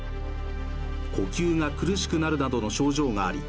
呼吸が苦しくなるなどの症状があり